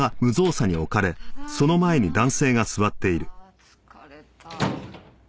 あ疲れた。